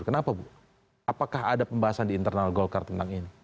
kenapa bu apakah ada pembahasan di internal golkar tentang ini